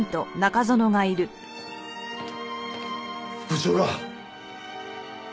部長が！